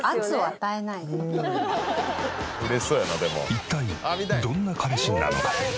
一体どんな彼氏なのか？